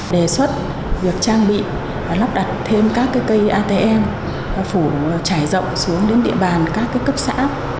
đề xuất việc trang bị và lắp đặt thêm các cái cây atm và phủ trải rộng xuống đến địa bàn các cái cấp xã